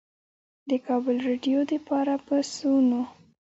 د کابل رېډيؤ دپاره پۀ سوونو